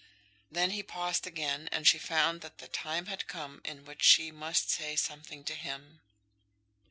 Then he paused again, and she found that the time had come in which she must say something to him.